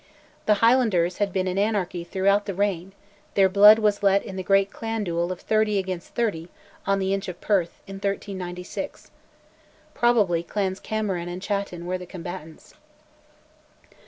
The Highlanders had been in anarchy throughout the reign; their blood was let in the great clan duel of thirty against thirty, on the Inch of Perth, in 1396. Probably clans Cameron and Chattan were the combatants.